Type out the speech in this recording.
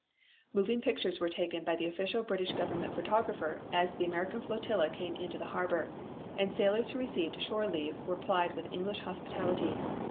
Moving pictures were taken by the official British Government photographer as the American flotilla came into the harbor, and sailors who received shore leave were plied with English hospitality.